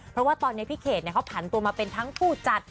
เพราะว่าตอนนี้พี่เขตเขาผันตัวมาเป็นทั้งผู้จัด